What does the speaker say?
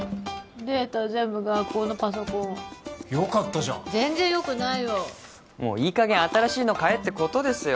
データは全部学校のパソコンよかったじゃん全然よくないよもういいかげん新しいの買えってことですよ